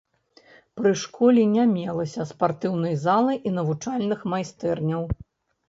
Пры школе не мелася спартыўнай залы і навучальных майстэрняў.